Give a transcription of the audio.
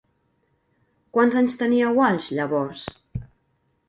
Quants anys tenia Walsh llavors?